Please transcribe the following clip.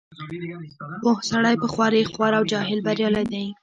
پوه سړی په خوارۍ خوار او جاهل بریالی دی.